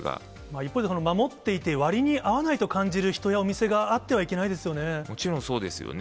一方で、守っていて、割に合わないと感じる人やお店があってはいけないですよね。